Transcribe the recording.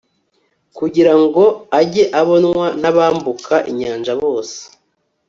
kugira ngo ajye abonwa n'abambuka inyanja bose